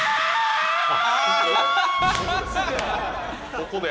ここです